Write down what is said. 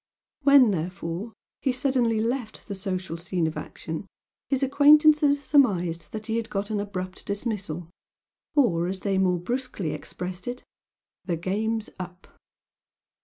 When, therefore, he suddenly left the social scene of action, his acquaintances surmised that he had got an abrupt dismissal, or as they more brusquely expressed it "the game's up"!